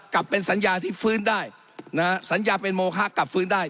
กลับเป็นสัญญาที่ฟื้นได้นะฮะสัญญาเป็นโมคะกลับฟื้นได้